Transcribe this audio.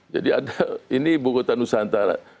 jadi ini ibu kota nusantara